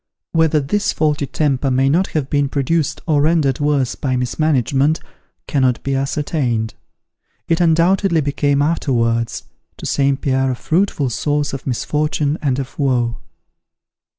Whether this faulty temper may not have been produced or rendered worse by mismanagement, cannot not be ascertained. It, undoubtedly became afterwards, to St. Pierre a fruitful source of misfortune and of woe.